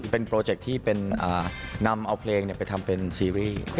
เป็นโปรเจคที่นำเอาเพลงไปทำเป็นซีรีส์